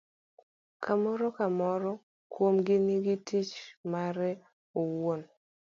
ka moro ka moro kuomgi nigi tich mare owuon.